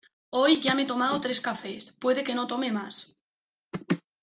Hoy ya me he tomado tres cafés, puede que no tome más.